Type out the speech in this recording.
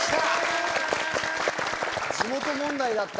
地元問題だった。